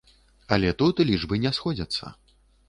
Але тут лічбы не сходзяцца.